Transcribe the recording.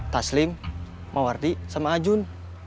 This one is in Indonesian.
taslim mawarti sama ajun